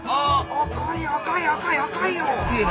赤い赤い赤い赤いよ！いや。